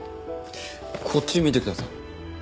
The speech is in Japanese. こっち見てください。